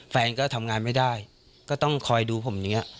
แฟนก็ทำงานไม่ได้ก็ต้องคอยดูผมอย่างนี้